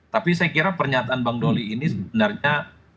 tapi saya kira pernyataan bang doli ini sebenarnya